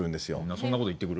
そんな事言ってくる？